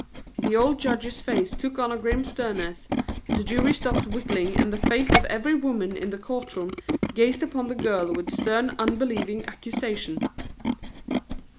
The old judge's face took on a grim sternness, the jury stopped whittling and the face of every woman in the court room gazed upon the girl with stern unbelieving accusation.